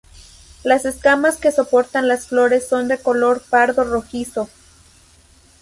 Las escamas que soportan las flores son de color pardo rojizo.